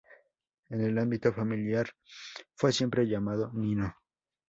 En el ámbito familiar fue siempre llamado "Nino".